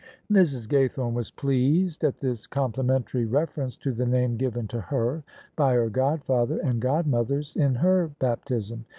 Mrs. Gaythome was pleased at this complimentary refer ence to the name given to her by her godfather and god mothers in her baptism.